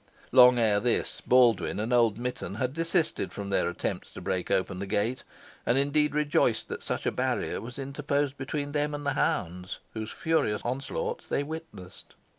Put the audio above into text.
Long ere this, Baldwyn and old Mitton had desisted from their attempts to break open the gate, and, indeed, rejoiced that such a barrier was interposed between them and the hounds, whose furious onslaughts they witnessed.